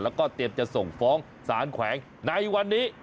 แล้วก็เตรียมจะส่งฟ้องสารแขวงในวันนี้